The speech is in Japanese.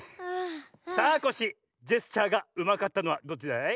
さあコッシージェスチャーがうまかったのはどっちだい？